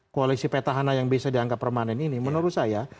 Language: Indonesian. koalisi petahana yang bisa dianggap permanen ini menurut saya